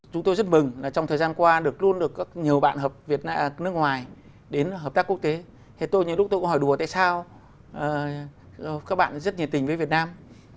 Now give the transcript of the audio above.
chúng tôi rất mừng trong thời gian qua được luôn được nhiều bạn hợp việt nam